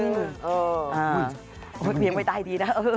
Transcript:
อื้อนี่ไม่ได้ดีนะ